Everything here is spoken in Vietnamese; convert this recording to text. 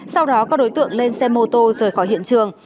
sau đó các đối tượng lên xe mô tô rời khỏi hiện trường